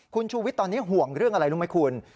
คุณชูวิทย์ตอนนี้ห่วงเรื่องอะไรรู้ไหมคุณ